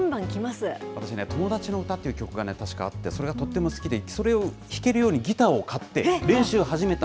私ね、ともだちのうたって曲が確かあって、それがとっても好きで、それを弾けるようにギターを買って、練習始めた。